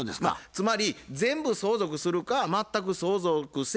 つまり全部相続するか全く相続せえへんか。